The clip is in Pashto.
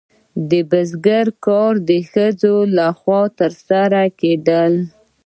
د بزګرۍ کارونه د ښځو لخوا ترسره کیدل.